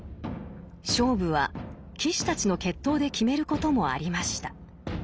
勝負は騎士たちの決闘で決めることもありました。